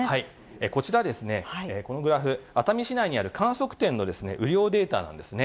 こちら、このグラフ、熱海市内にある観測点の雨量データなんですね。